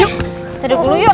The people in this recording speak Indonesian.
sudah dulu yuk